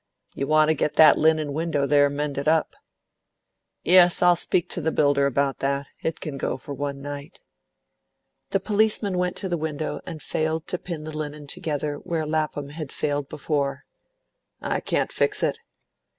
"You want to get that linen window, there, mended up." "Yes, I'll speak to the builder about that. It can go for one night." The policeman went to the window and failed to pin the linen together where Lapham had failed before. "I can't fix it."